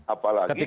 apalagi kalau ini